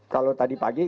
kalau tadi pagi